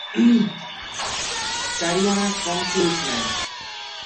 চারি আনার কম চুরুট নাই।